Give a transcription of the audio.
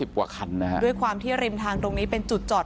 กว่าคันนะฮะด้วยความที่ริมทางตรงนี้เป็นจุดจอด